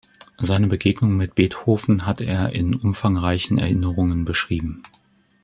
Seine Begegnung mit Beethoven hat er in umfangreichen Erinnerungen beschrieben.